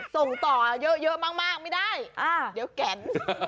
ส่งต่อเยอะมากไม่ได้เดี๋ยวแก่น